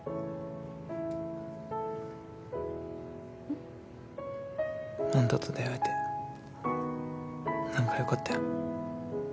ん？あんたと出会えて何か良かったよ。